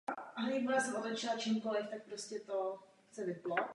Před sjednocením Itálie bylo území současné provincie součástí vévodství Modena.